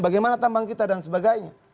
bagaimana tambang kita dan sebagainya